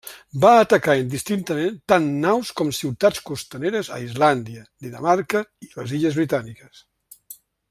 Va atacar indistintament tant naus com ciutats costaneres a Islàndia, Dinamarca i les Illes Britàniques.